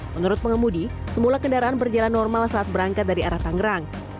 menurut pengemudi semula kendaraan berjalan normal saat berangkat dari arah tangerang